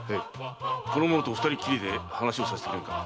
この者と二人きりで話をさせてくれんか。